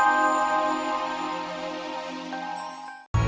aku mau makan di sini